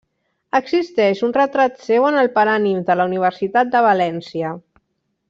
Existeix un retrat seu en el Paranimf de la Universitat de València.